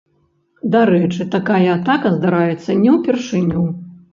Дарэчы, такая атака здараецца не ўпершыню.